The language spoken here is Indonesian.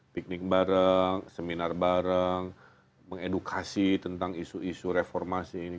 piknik bareng seminar bareng mengedukasi tentang isu isu reformasi ini